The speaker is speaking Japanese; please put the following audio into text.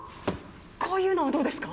こういうのはどうですか？